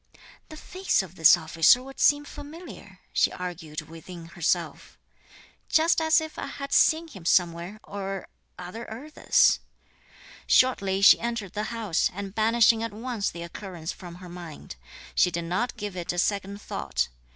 "The face of this officer would seem familiar," she argued within herself; "just as if I had seen him somewhere or other ere this." Shortly she entered the house, and banishing at once the occurrence from her mind, she did not give it a second thought.